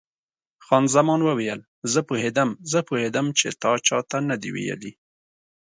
خان زمان وویل: زه پوهېدم، زه پوهېدم چې تا چا ته نه دي ویلي.